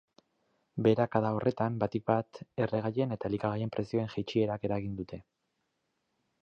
Beherakada horretan, batik bat, erregaien eta elikagaien prezioen jaitsierak eragin dute.